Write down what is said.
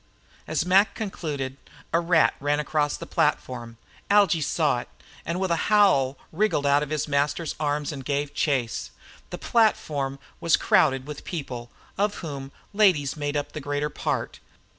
As Mac concluded, a rat ran across the platform. Algy saw it, and with a howl wriggled out of his master's arms and gave chase. The platform was crowded with people, of whom ladies made up the greater part.